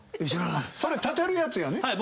それ立てるやつやね。